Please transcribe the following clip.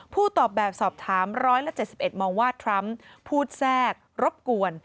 ตอบแบบสอบถาม๑๗๑มองว่าทรัมป์พูดแทรกรบกวน